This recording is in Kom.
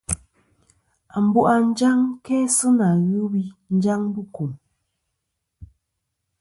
Ambu a njaŋ kæ sɨ nà ghɨ wi njaŋ bu kùm.